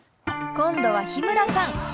今度は日村さん。